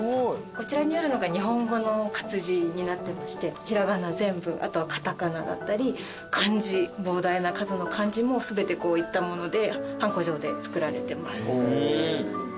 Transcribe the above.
こちらにあるのが日本語の活字になってまして平仮名全部あとは片仮名だったり漢字膨大な数の漢字も全てこういったものではんこ状で作られてます。